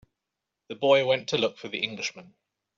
The boy went to look for the Englishman.